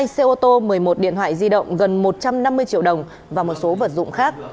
hai xe ô tô một mươi một điện thoại di động gần một trăm năm mươi triệu đồng và một số vật dụng khác